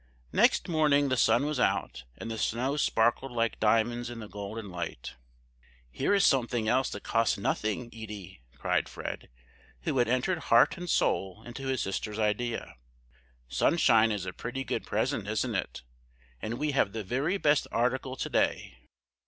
Next morning the sun was out, and the snow sparkled like diamonds in the golden light. "Here is something else that costs nothing, Edie!" cried Fred, who had entered heart and soul into his sister's idea. "Sunshine is a pretty good present, isn't it? And we have the very best article to day."